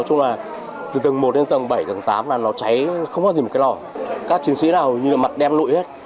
từ tầng một đến tầng bảy tầng tám là nó cháy không có gì một cái lò các chiến sĩ là hầu như mặt đem lụi hết